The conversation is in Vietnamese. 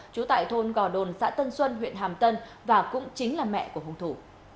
trú tại thôn gò đồn xã tân xuân huyện hàm tân và cũng chính là mẹ của hùng thủ